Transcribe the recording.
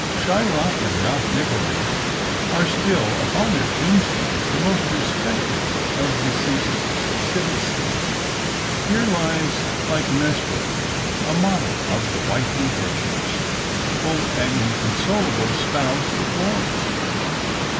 Shylock and Ralph Nickleby are still, upon their tombstones, the most respected of deceased citizens. Here lies Clytemnestra, a model of the wifely virtues, whom an inconsolable spouse deplores.